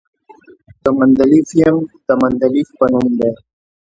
د مندلیفیم د مندلیف په نوم دی.